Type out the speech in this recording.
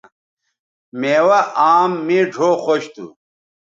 میوہ آم مے ڙھؤ خوش تھو